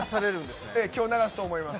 きょう、流すと思います。